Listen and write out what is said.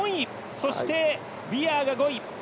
そして、ウィアーが５位。